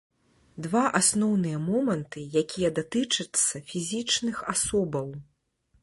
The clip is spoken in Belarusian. Два асноўныя моманты, якія датычацца фізічных асобаў.